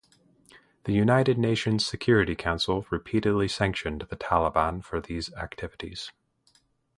The United Nations Security Council repeatedly sanctioned the Taliban for these activities.